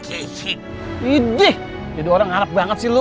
jadi orang ngarep banget sih lo